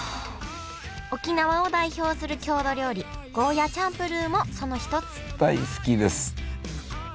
沖縄を代表する郷土料理ゴーヤーチャンプルーもその一つ大好きです。